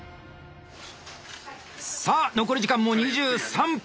さあ残り時間も２３分。